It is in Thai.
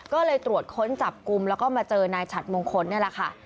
ก็เลยตรวจค้นจับกลุ่มแล้วก็มาเจอนายฉัดมงคลนี่แหละค่ะ